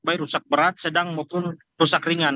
baik rusak berat sedang maupun rusak ringan